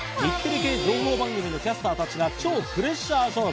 日テレ系情報番組のキャスターたちが超プレッシャー勝負！